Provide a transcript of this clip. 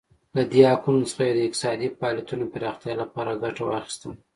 له دې حقونو څخه یې د اقتصادي فعالیتونو پراختیا لپاره ګټه واخیسته.